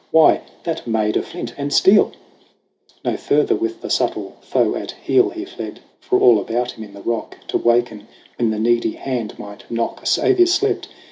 Why, that made a flint and steel ! No further with the subtle foe at heel He fled ; for all about him in the rock, To waken when the needy hand might knock, A savior slept